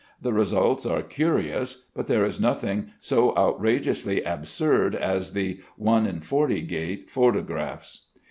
The results are curious, but there is nothing so outrageously absurd as the "1:40 gait" photographs.